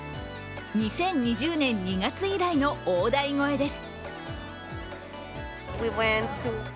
２０２０年２月以来の大台超えです。